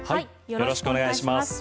よろしくお願いします。